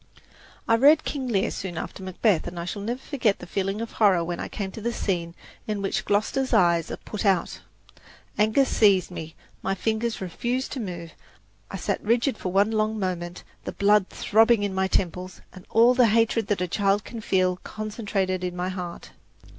I read "King Lear" soon after "Macbeth," and I shall never forget the feeling of horror when I came to the scene in which Gloster's eyes are put out. Anger seized me, my fingers refused to move, I sat rigid for one long moment, the blood throbbing in my temples, and all the hatred that a child can feel concentrated in my heart.